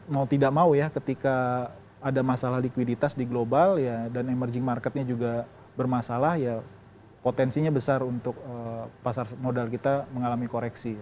mau tidak mau ya ketika ada masalah likuiditas di global ya dan emerging marketnya juga bermasalah ya potensinya besar untuk pasar modal kita mengalami koreksi